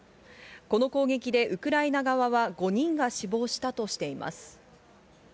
この攻撃でウクライナ側は５人が死亡したとしています。